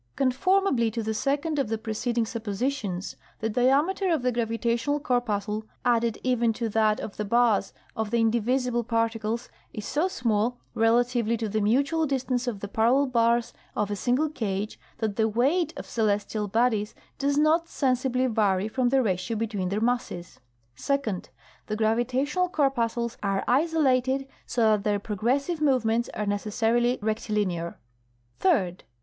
Conformably to the second of the preceding suppositions, the diameter of the gravitational corpuscle added even to that of the bars of the indivisible particles is so small relatively to the mutual distance of the parallel bars of a single cage that the weight of celestial bodies does not sensibly vary from the ratio between their masses. Second. The gravitational corpuscles are isolated, so that their progressive movements are necessarily rectilinear. Third.